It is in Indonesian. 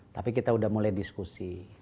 tapi kita sudah mulai diskusi